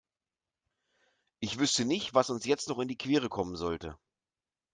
Ich wüsste nicht, was uns jetzt noch in die Quere kommen sollte.